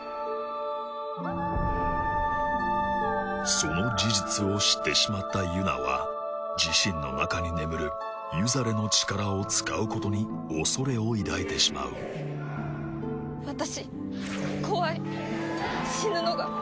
その事実を知ってしまったユナは自身の中に眠るユザレの力を使うことに恐れを抱いてしまう私怖い死ぬのが。